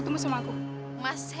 udah udah udah